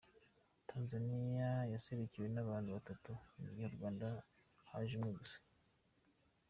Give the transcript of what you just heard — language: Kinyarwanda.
Tanzaniya yaserukiwe n'abantu batatu, mu gihe urwanda haje umwe gusa.